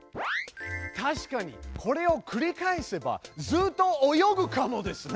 たしかにこれをくり返せばずっと泳ぐかもですね！